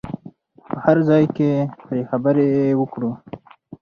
په هر ځای کې پرې خبرې وکړو.